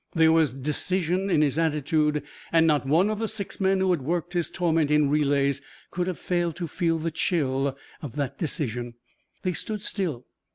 There was decision in his attitude, and not one of the six men who had worked his torment in relays could have failed to feel the chill of that decision. They stood still.